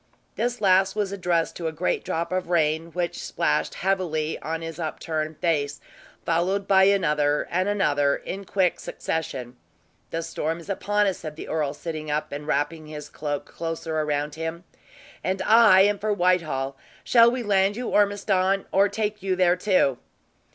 This last was addressed to a great drop of rain, which splashed heavily on his upturned face, followed by another and another in quick succession. "The storm is upon us," said the earl, sitting up and wrapping his cloak closer around him, "and I am for Whitehall. Shall we land you, Ormiston, or take you there, too?"